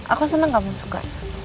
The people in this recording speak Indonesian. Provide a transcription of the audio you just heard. aku senang kamu suka